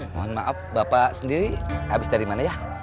mohon maaf bapak sendiri habis dari mana ya